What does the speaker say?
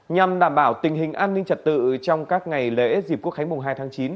nhằm đảm bảo tình hình an ninh trật tự trong các ngày lễ dịp quốc khánh mùng hai tháng chín